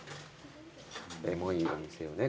エモいお店はね